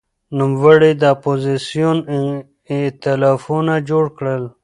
نوموړي د اپوزېسیون ائتلافونه جوړ کړل.